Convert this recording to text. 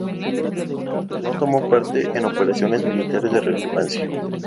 No tomó parte en operaciones militares de relevancia.